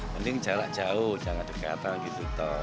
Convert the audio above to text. mending jarak jauh jangan dekat